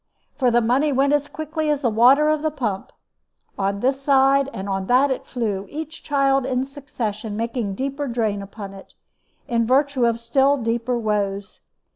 For the money went as quickly as the water of the pump; on this side and on that it flew, each child in succession making deeper drain upon it, in virtue of still deeper woes.